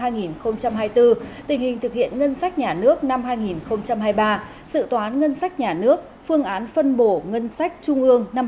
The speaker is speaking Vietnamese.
tình hình thực hiện ngân sách nhà nước năm hai nghìn hai mươi ba sự toán ngân sách nhà nước phương án phân bổ ngân sách trung ương năm hai nghìn hai mươi bốn